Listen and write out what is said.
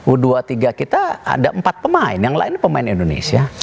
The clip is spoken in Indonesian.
u dua puluh tiga kita ada empat pemain yang lain pemain indonesia